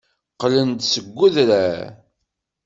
Qqlen-d seg udrar.